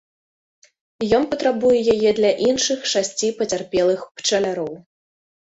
Ён патрабуе яе для іншых шасці пацярпелых пчаляроў.